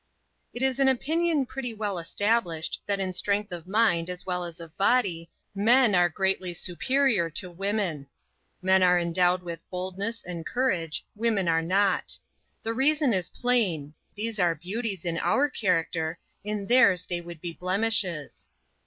It is an opinion pretty well established, that in strength of mind, as well as of body, men are greatly superior to women. Men are endowed with boldness and courage, women are not. The reason is plain, these are beauties in our character; in theirs they would be blemishes.